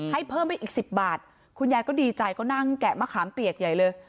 ให้เพิ่มไปอีก๑๐บาทคุณยายก็ดีใจก็นั่งแกะมะขามเปียกใหญ่เลย